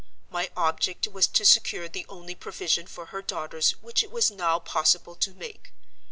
My object was to secure the only provision for her daughters which it was now possible to make.